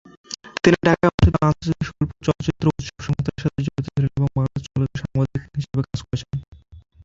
তিনি ঢাকায় অনুষ্ঠিত আন্তর্জাতিক স্বল্পদৈর্ঘ্য চলচ্চিত্র উৎসব সংস্থার সাথে জড়িত ছিলেন এবং বাংলাদেশে চলচ্চিত্র সাংবাদিক হিসেবে কাজ করেছেন।